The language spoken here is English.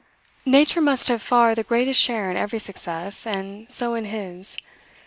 Nature must have far the greatest share in every success, and so in his.